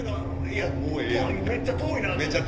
めっちゃ遠いなと思って。